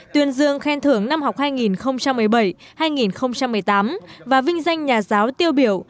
tuyên dương khen thưởng năm học hai nghìn một mươi bảy hai nghìn một mươi tám và vinh danh nhà giáo tiêu biểu